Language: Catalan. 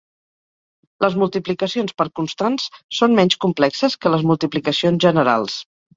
Les multiplicacions per constants són menys complexes que les multiplicacions generals.